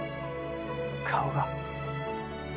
顔が。